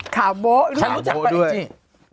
ขาวโบ๊ะรู้จักกันอีกสิ